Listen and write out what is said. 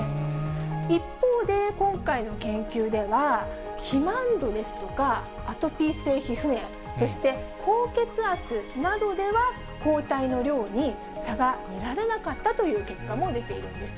一方で、今回の研究では、肥満度ですとか、アトピー性皮膚炎、そして、高血圧などでは、抗体の量に差が見られなかったという結果も出ているんです。